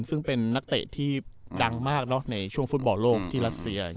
ซึ่งเป็นนักเตะที่ดังมากในช่วงฟุตบอลโลกที่รัสเซีย